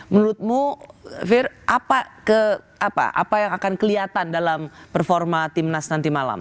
menurutmu fir apa yang akan kelihatan dalam performa timnas nanti malam